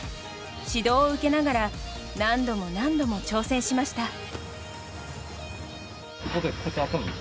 指導を受けながら何度も何度も挑戦しました。